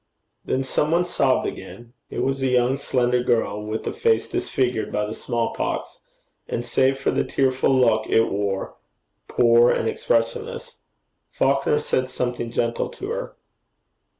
The some one sobbed again. It was a young slender girl, with a face disfigured by the small pox, and, save for the tearful look it wore, poor and expressionless. Falconer said something gentle to her.